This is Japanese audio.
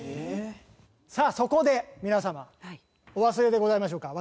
さあそこで皆様お忘れでございましょうか？